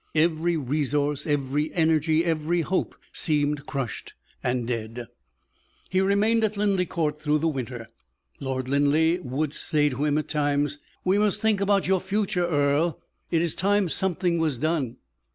Every resource, every energy, every hope, seemed crushed and dead. He remained at Linleigh Court through the winter. Lord Linleigh would say to him at times: "We must think about your future, Earle; it is time something was done."